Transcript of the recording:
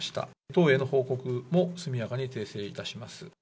党への報告も速やかに訂正いたします。